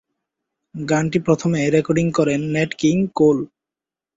গানটি প্রথমে রেকর্ড করেন ন্যাট কিং কোল।